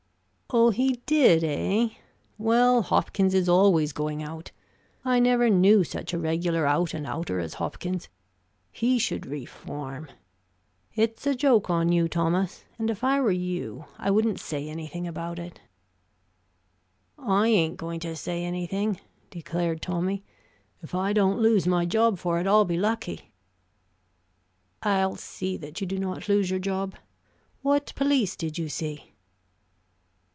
"Oh, he did, eh? Well, Hopkins is always going out. I never knew such a regular out and outer as Hopkins. He should reform. It's a joke on you, Thomas, and if I were you I wouldn't say anything about it." "I ain't going to say anything," declared Tommy. "If I don't lose my job for it, I'll be lucky." "I'll see that you do not lose your job. What police did you see?"